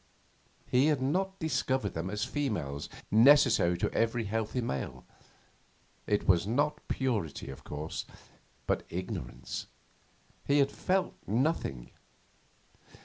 He had not discovered them as females, necessary to every healthy male. It was not purity, of course, but ignorance: he had felt nothing.